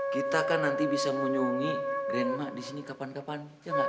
kita kan nanti bisa menyungi kerenma di sini kapan kapan ya enggak